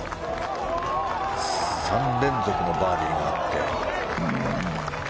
３連続のバーディーがあって。